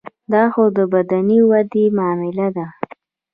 دا خو د بدني ودې معامله ده.